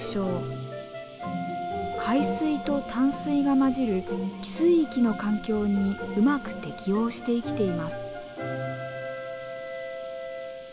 海水と淡水が混じる汽水域の環境にうまく適応して生きています。